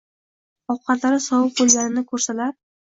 ovqatlari sovib bo‘lganini ko‘rsalar